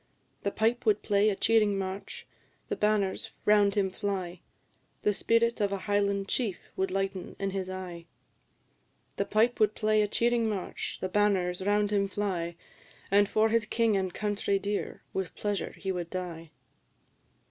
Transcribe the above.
"The pipe would play a cheering march, the banners round him fly; The spirit of a Highland chief would lighten in his eye; The pipe would play a cheering march, the banners round him fly, And for his king and country dear with pleasure he would die!"